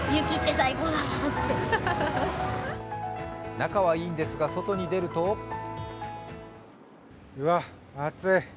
中はいいんですが外に出るとうわ、暑い。